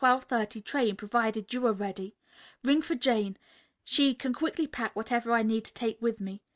30 train, provided you are ready. Ring for Jane. She can quickly pack whatever I need to take with me.